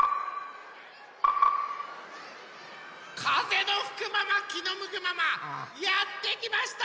かぜのふくままきのむくままやってきました